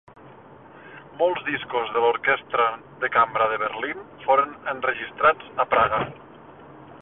Molts discos de l'Orquestra de Cambra de Berlín foren enregistrats a Praga.